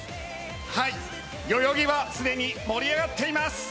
代々木はすでに盛り上がっています。